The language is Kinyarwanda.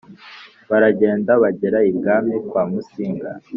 Baragenda bagera ibwami kwamusinga